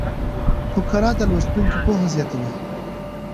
فقره د لوستونکي پوهه زیاتوي.